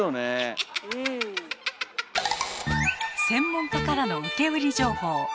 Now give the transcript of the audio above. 専門家からの受け売り情報。